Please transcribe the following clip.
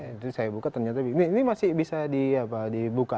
itu saya buka ternyata ini masih bisa dibuka